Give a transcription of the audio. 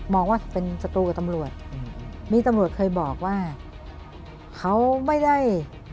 ว่าเป็นศัตรูกับตำรวจมีตำรวจเคยบอกว่าเขาไม่ได้